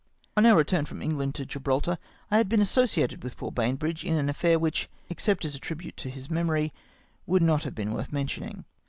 On onr return fi^om England to Gibraltar I had been associated with poor Bainbridge in an affair which — except as a tribute to his memory — would not have been worth mentioning.